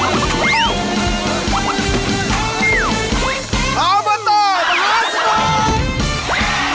ออเบอร์โตมหาสนุก